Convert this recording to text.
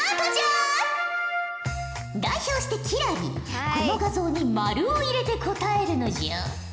代表して輝星この画像に丸を入れて答えるのじゃ。